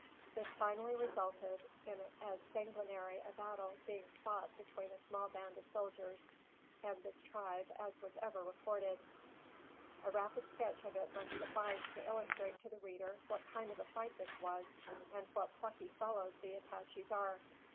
This finally resulted, in as sanguinary a battle being fought between a small band of soldiers and this tribe, as was ever recorded. A rapid sketch of it must suffice to illustrate to the reader what kind of a fight this was, and what plucky fellows these Apaches are.